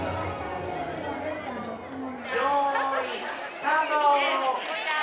よいスタート！